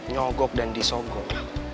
nyogok dan disogok